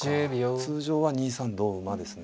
通常は２三同馬ですね。